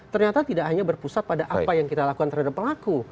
ternyata tidak hanya berpusat pada apa yang kita lakukan terhadap pelaku